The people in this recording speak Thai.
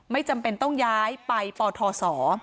ไม่จำเป็นต้องย้ายไปปทศ